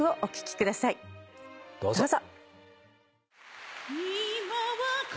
どうぞ。